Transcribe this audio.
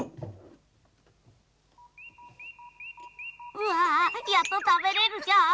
うわぁやっとたべれるじゃーん。